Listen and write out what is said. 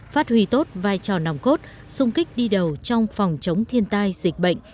phát huy tốt vai trò nòng cốt sung kích đi đầu trong phòng chống thiên tai dịch bệnh